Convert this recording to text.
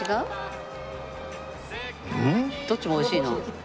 どっちもおいしいの？